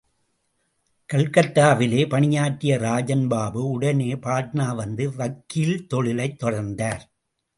கல்கத்தாவிலே பணியாற்றிய ராஜன்பாபு உடனே பாட்னா வந்து வக்கீல் தொழிலைத் தொடர்ந்தார்.